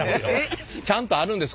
ちゃんとあるんです。